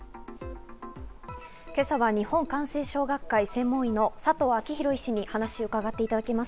今朝は日本感染症学会専門医の佐藤昭裕医師にお話を伺っていきます。